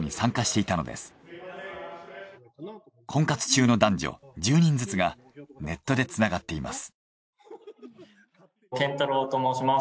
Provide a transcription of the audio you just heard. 婚活中の男女１０人ずつがネットでつながっています。